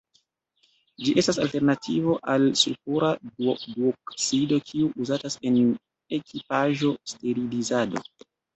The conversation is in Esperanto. Ĝi estas alternativo al sulfura duoksido kiu uzatas en ekipaĵo-sterilizado.